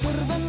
aduh apa ini